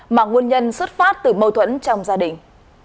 mà nguồn nhân xuất phát từ mâu thuẫn trong gia đình